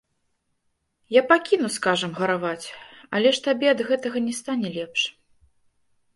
Я пакіну, скажам, гараваць, але ж табе ад гэтага не стане лепш.